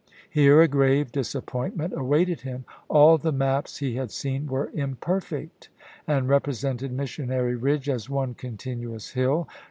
Here a grave disappointment awaited him. All the maps he had seen were imperfect, and represented Missionary Eidge as one continuous hill.